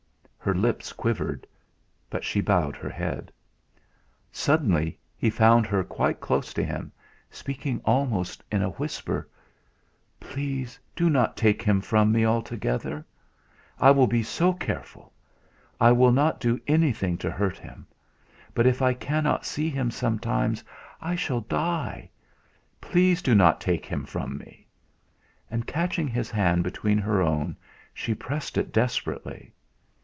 Her lips quivered; but she bowed her head. Suddenly he found her quite close to him, speaking almost in a whisper: "Please do not take him from me altogether. I will be so careful. I will not do anything to hurt him; but if I cannot see him sometimes, I shall die. Please do not take him from me." And catching his hand between her own, she pressed it desperately.